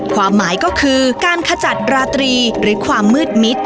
ความหมายก็คือการขจัดราตรีหรือความมืดมิด